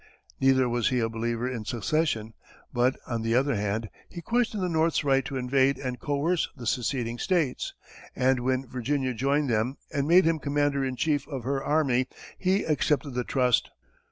Neither was he a believer in secession; but, on the other hand, he questioned the North's right to invade and coerce the seceding states, and when Virginia joined them, and made him commander in chief of her army, he accepted the trust.